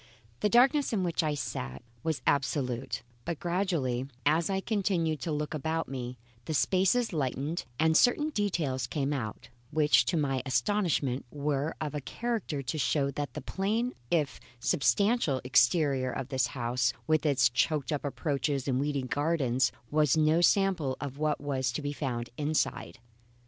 The darkness in which I sat was absolute; but gradually, as I continued to look about me, the spaces lightened and certain details came out, which to my astonishment were of a character to show that the plain if substantial exterior of this house with its choked up approaches and weedy gardens was no sample of what was to be found inside.